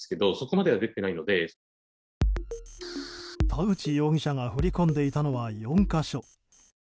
田口容疑者が振り込んでいたのは４か所。